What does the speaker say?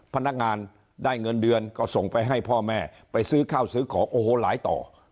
พนักงานได้เงินเดือนก็ส่งไปให้พ่อแม่ไปซื้อข้าวซื้อของโอ้โหหลายต่อ